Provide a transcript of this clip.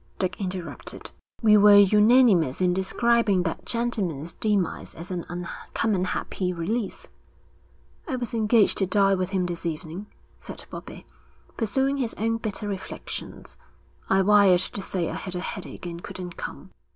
Dick interrupted. 'We were unanimous in describing that gentleman's demise as an uncommon happy release.' 'I was engaged to dine with him this evening,' said Bobbie, pursuing his own bitter reflections. 'I wired to say I had a headache and couldn't come.'